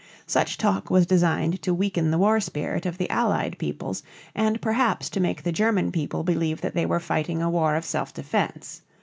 Such talk was designed to weaken the war spirit of the Allied peoples, and perhaps to make the German people believe that they were fighting a war of self defense.